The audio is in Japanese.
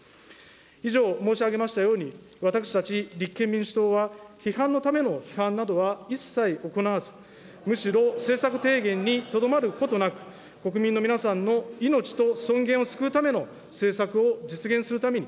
以上、申し上げましたように、私たち、立憲民主党は批判のための批判などは一切行わず、むしろ、政策提言にとどまることなく、国民の皆さんの命と尊厳を救うための政策を実現するために、